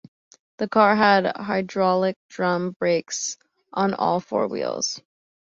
The car had hydraulic drum brakes on all four wheels.